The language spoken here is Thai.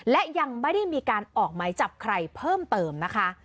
และยังไม่ได้มีการออกหมายจับใครเพิ่มเติมนะคะ